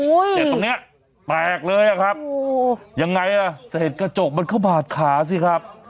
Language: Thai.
อุ้ยแตกตรงเนี้ยแปลกเลยอ่ะครับอู้ยยังไงอ่ะเศรษฐ์กระจกมันเข้าบาดขาสิครับ